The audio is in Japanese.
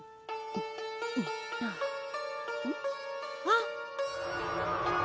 あっ！